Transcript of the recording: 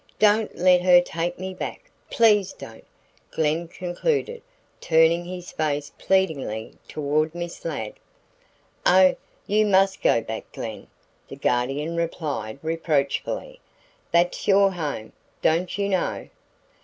Don't let her take me back, please don't," Glen concluded, turning his face pleadingly toward Miss Ladd. "Oh, you must go back, Glen," the Guardian replied, reproachfully. "That's your home, don't you know?